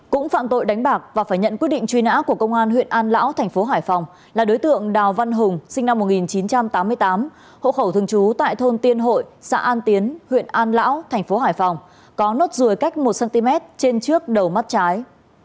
cũng phạm tội đánh bạc và phải nhận quyết định truy nã của công an huyện an lão thành phố hải phòng là đối tượng đào văn hùng sinh năm một nghìn chín trăm tám mươi tám hộ khẩu thường trú tại thôn tiên hội xã an tiến huyện an lão thành phố hải phòng có nốt ruồi cách một cm trên trước đầu mắt trái